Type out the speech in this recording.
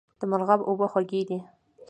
د مرغاب اوبه خوږې دي